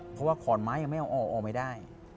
เพราะว่าขอนไม้ยังไม่เอาออกไม่ได้